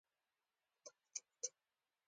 زه هک پک سوم.